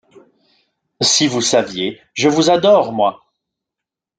Si vous saviez ! je vous adore, moi !